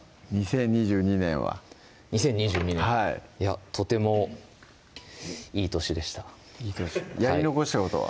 ２０２２年は２０２２年いやとてもいい年でしたやり残したことは？